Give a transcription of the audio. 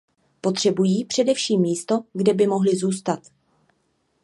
Potřebují především místo, kde by mohli zůstat.